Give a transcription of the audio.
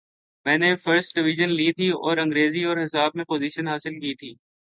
میں نے first division لی تھی اور انگریزی اور حساب میں پوزیشن حاصل کی تھی۔